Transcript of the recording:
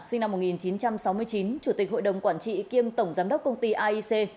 sinh năm một nghìn chín trăm sáu mươi chín chủ tịch hội đồng quản trị kiêm tổng giám đốc công ty aic